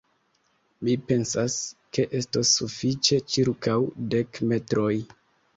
Mi pensas, ke estos sufiĉe ĉirkaŭ dek metroj!